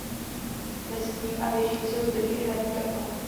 Mezi ním a věží jsou zbytky hradní kaple.